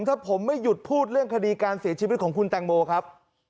ถ้าผมไม่หยุดพูดเรื่องคดีการเสียชีวิตของคุณแตงโมครับ